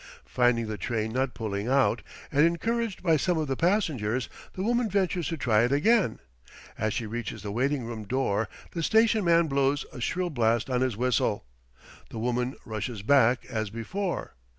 Finding the train not pulling out, and encouraged by some of the passengers, the woman ventures to try it again. As she reaches the waiting room door, the station man blows a shrill blast on his whistle. The woman rushes back, as before.